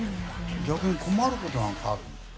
逆に困ることは何かある？